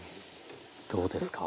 どうですか？